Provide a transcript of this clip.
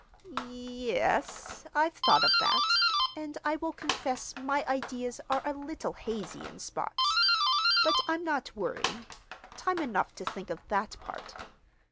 "Y yes, I've thought of that, and I will confess my ideas are a little hazy, in spots. But I'm not worrying. Time enough to think of that part.